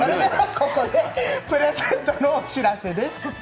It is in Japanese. ここでプレゼントのお知らせです。